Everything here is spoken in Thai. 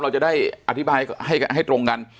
เราจะได้อธิบายให้ตรงกัน